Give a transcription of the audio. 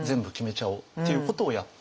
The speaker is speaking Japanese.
ちゃおうっていうことをやって。